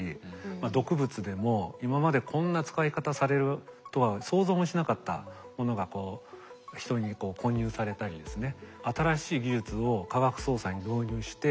毒物でも今までこんな使い方されるとは想像もしなかったものが人に混入されたりですね。